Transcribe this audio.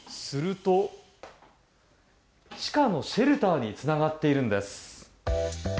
すると、地下のシェルターにつながっているんです。